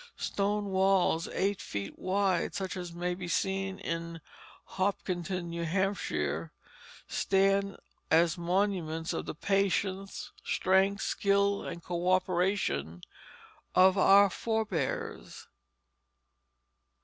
Stone walls eight feet wide, such as may be seen in Hopkinton, New Hampshire, stand as monuments of the patience, strength, skill, and coöperation of our forbears.